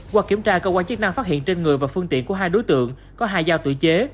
qua kiểm tra cơ quan chức năng phát hiện trên người và phương tiện của hai đối tượng có hai dao tự chế